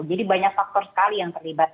jadi banyak faktor sekali yang terlibat